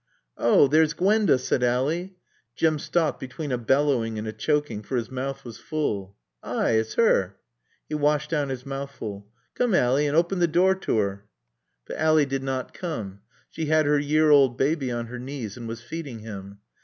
"Oh there's Gwenda!" said Ally. Jim stopped between a bellowing and a choking, for his mouth was full. "Ay it's 'er." He washed down his mouthful. "Coom, Ally, and open door t' 'er." But Ally did not come. She had her year old baby on her knees and was feeding him.